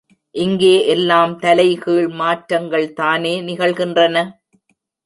இங்கே எல்லாம் தலை கீழ் மாற்றங்கள் தானே நிகழ்கின்றன!